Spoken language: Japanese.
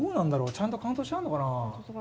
ちゃんとカウントしちゃうのかな？